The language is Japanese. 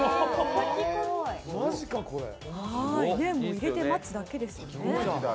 入れて待つだけですよね。